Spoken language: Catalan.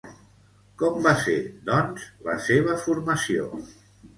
Com va ser, doncs, la seva formació?